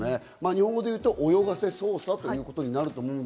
日本語で言うと、泳がせ捜査ということです。